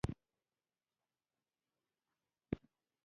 په بل کې یې د پلار وفات تسلیت وي.